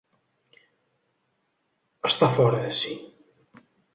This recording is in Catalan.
Està fora de si.